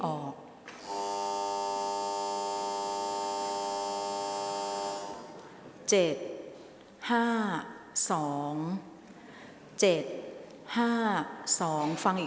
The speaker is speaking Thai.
ออกรางวัลเลขหน้า๓ตัวครั้งที่๒